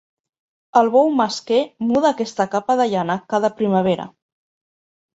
El bou mesquer muda aquesta capa de llana cada primavera.